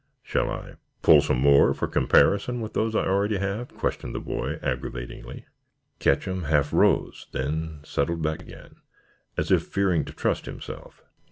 Shall I pull some more for comparison with those I already have?" questioned the boy aggravatingly. Ketcham half rose, then settled back again, as if fearing to trust himself.